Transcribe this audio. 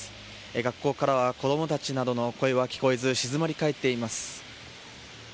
学校からは子供たちなどの声は聞こえず静まり返っています。